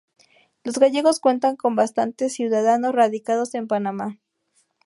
Los gallegos cuentan con bastantes ciudadanos radicados en Panamá.